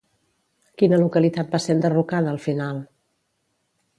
Quina localitat va ser enderrocada al final?